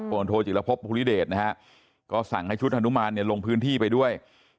โทจิรพบภูริเดชนะฮะก็สั่งให้ชุดฮนุมานเนี่ยลงพื้นที่ไปด้วย